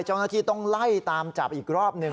เจ้าหน้าที่ต้องไล่ตามจับอีกรอบหนึ่ง